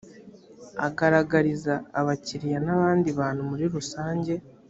agaragariza abakiriya n abandi bantu muri rusanjye